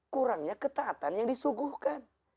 kurangnya ketatan yang disuguhkan